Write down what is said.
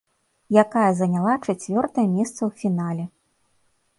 Якая заняла чацвёртае месца ў фінале.